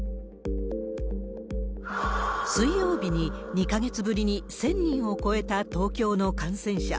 水曜日に２か月ぶりに１０００人を超えた東京の感染者。